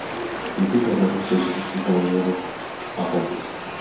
Биздин балдарыбыз, өзүбүз да ооруп атабыз.